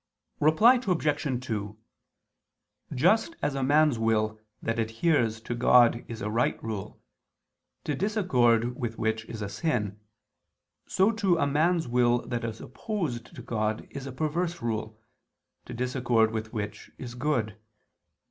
Reply Obj. 2: Just as a man's will that adheres to God is a right rule, to disaccord with which is a sin, so too a man's will that is opposed to God is a perverse rule, to disaccord with which is good.